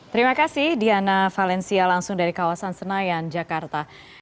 terima kasih diana valencia langsung dari kawasan senayan jakarta